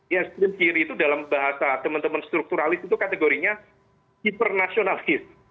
ya ekstrim kiri itu dalam bahasa teman teman strukturalis itu kategorinya hiper nasionalis